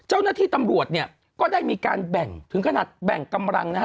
เจ้าหน้าที่ตำรวจเนี่ยก็ได้มีการแบ่งถึงขนาดแบ่งกำลังนะฮะ